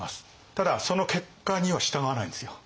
ただその結果には従わないんですよ。